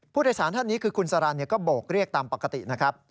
ผู้โดยสารท่านนี้คือคุณสารันก็โบกเรียกตามปกตินะครับ